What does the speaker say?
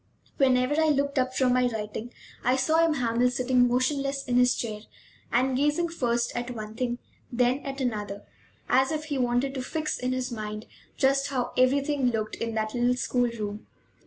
Whenever I looked up from my writing I saw M. Hamel sitting motionless in his chair and gazing first at one thing, then at another, as if he wanted to fix in his mind just how everything looked in that little school room.